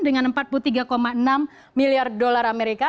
dengan empat puluh tiga enam miliar dolar amerika